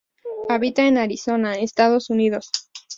Habita en Arizona Estados Unidos.